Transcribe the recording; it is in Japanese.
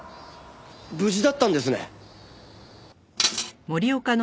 無事だったんですね。